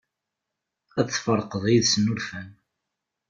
Ad tferqeḍ yid-sen urfan.